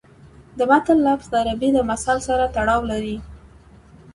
د متل لفظ د عربي د مثل سره تړاو لري